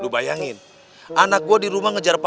lu bayangin anak gua di rumah ngejar pahala